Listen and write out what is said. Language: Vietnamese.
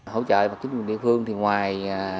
hỗ trợ của chính quyền địa phương thì ngoài